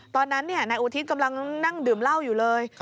ตอนนั้นนายอุทิศกำลังนั่งดื่มเหล้าอยู่เลย